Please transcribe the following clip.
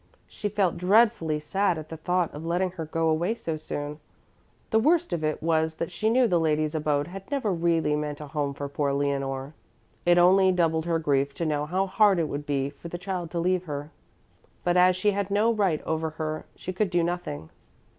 She felt dreadfully sad at the thought of letting her go away so soon. The worst of it was that she knew the ladies' abode had never really meant a home for poor Leonore. It only doubled her grief to know how hard it would be for the child to leave her, but as she had no right over her, she could do nothing.